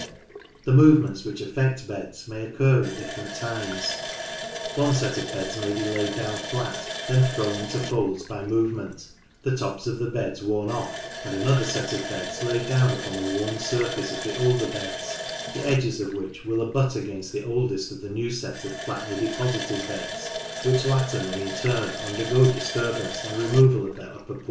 The movements which affect beds ma) occur at 20 NORTH LANCASHIRE different times. One set of beds may be laid down flat, then thrown into folds by movement, the tops of the beds worn off, and another set of beds laid down upon the worn surface of the older beds, the edges of which will abut against the oldest of the new set of flatly deposited beds, which latter may in turn undergo disturbance and removal of their upper portions.